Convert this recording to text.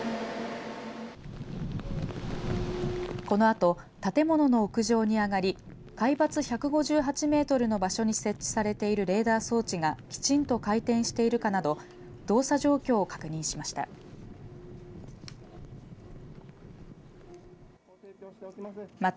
このあと建物の屋上に上がり海抜１５８メートルの場所に設置されているレーダー装置がきちんと回転しているかなど動作状況を確認しました。